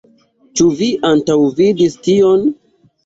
Ĉu vi antaŭvidis tion?